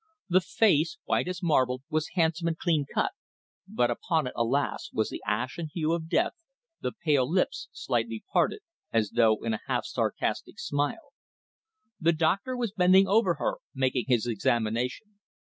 The face, white as marble, was handsome and clean cut, but upon it, alas! was the ashen hue of death, the pale lips slightly parted as though in a half sarcastic smile. The doctor was bending over her making his examination.